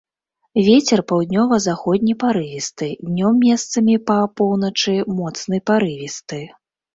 Вецер паўднёва-заходні парывісты, днём месцамі па поўначы моцны парывісты.